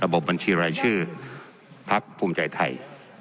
ระบบบัญชีรายชื่อภักดิ์ภูมิใจไทย